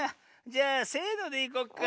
じゃあせのでいこっか。